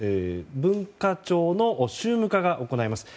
文化庁の宗務課が行います。